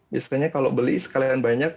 biasanya kalau beli sekalian banyak